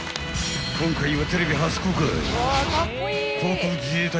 ［今回は］